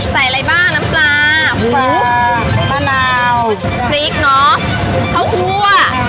ใส่อะไรบ้างน้ำซาผูกมะนาวพริกเนาะเข้าหัว